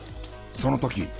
その時。